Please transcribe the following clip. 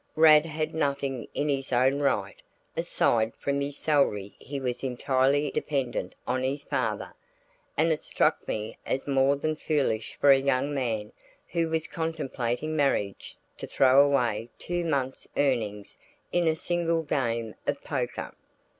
Rad had nothing in his own right; aside from his salary he was entirely dependent on his father, and it struck me as more than foolish for a young man who was contemplating marriage to throw away two months' earnings in a single game of poker.